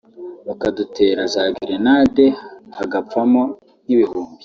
bakadutera za gerenade hagapfamo nk’igihumbi